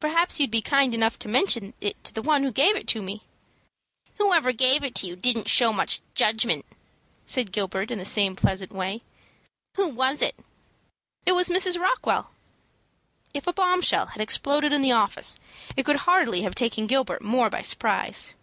"Perhaps you'd be kind enough to mention it to the one that gave it to me." "Whoever gave it to you didn't show much judgment," said Gilbert, in the same pleasant way. "Who was it?" "It was Mrs. Rockwell." If a bombshell had exploded in the office, it could hardly have taken Gilbert more by surprise.